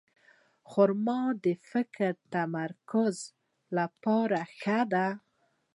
خرما د فکري تمرکز لپاره ښه ده.